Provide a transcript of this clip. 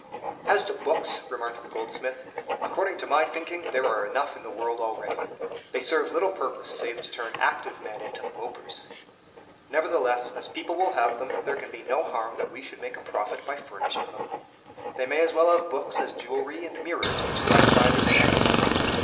"As to books," remarked the goldsmith, "according to my thinking there are enough in the world already. They serve little purpose save to turn active men into mopers. Nevertheless, as people will have them, there can be no harm that we should make a profit by furnishing them. They may as well have books as jewelry and mirrors, which gratify their vanity."